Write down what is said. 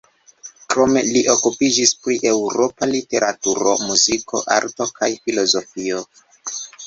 Krome li okupiĝis pri eŭropa literaturo, muziko, arto kaj filozofio.